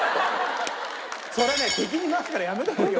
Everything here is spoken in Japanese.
それね敵に回すからやめた方がいいよ